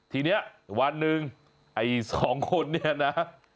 ทีนี้วันหนึ่งไอ้สองคนเนี่ยนะ